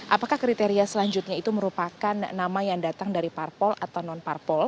apakah kriteria selanjutnya itu merupakan nama yang datang dari parpol atau non parpol